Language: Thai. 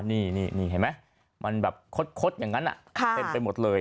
นี่เห็นไหมมันแบบคดอย่างนั้นเต็มไปหมดเลย